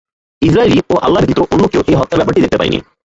ইসরাঈলী ও আল্লাহ ব্যতীত অন্য কেউ এই হত্যার ব্যাপারটি দেখতে পায়নি।